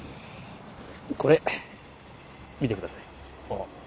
これ見てください。